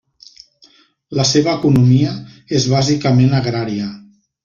La seva economia és bàsicament agrària.